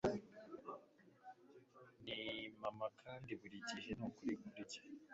ni mama, kandi buri gihe ni ukuri kuri njye